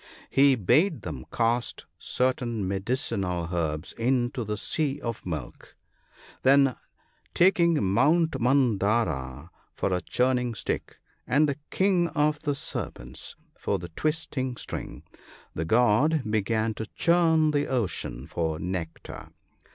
He bade them cast certain medicinal herbs into the " sea of milk ;" then taking Mount Man dara for a churning stick, and the king of the serpents for the twisting string, the god began to churn the ocean for nectar.